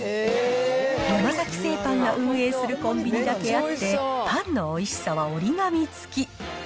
山崎製パンが運営するコンビニだけあって、パンのおいしさは折り紙付き。